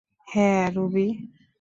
হ্যাঁ, রুবি।